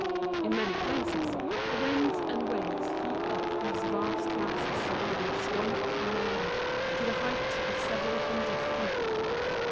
In many places the winds and waves heap up these vast masses of ice one upon another, to the height of several hundred feet.